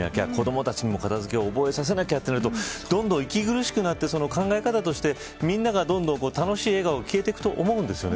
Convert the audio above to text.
子どもたちにも片付けを覚えさせなきゃ、だとどんどん息苦しくなって考え方としてみんなの楽しい笑顔がどんどん消えていくと思います。